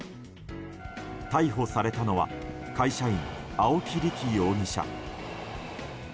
逮捕されたのは会社員、青木理貴容疑者。